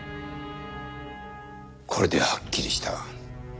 これではっきりした。